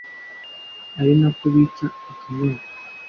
ari na ko bica akanyota.